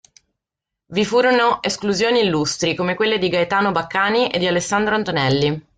Vi furono esclusioni illustri, come quelle di Gaetano Baccani e di Alessandro Antonelli.